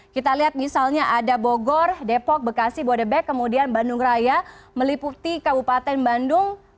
kita lihat misalnya ada bogor depok bekasi bodebek kemudian bandung raya meliputi kabupaten bandung